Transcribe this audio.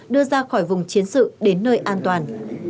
đưa ra khỏi vùng chiến sự đến nơi an toàn